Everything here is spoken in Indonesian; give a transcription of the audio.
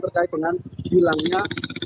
terkait dengan hilangnya